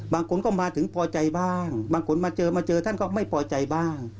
บางคนก็มาถึงพอใจบ้างบางคนมาเจอมาเจอท่านก็ไม่พอใจบ้าง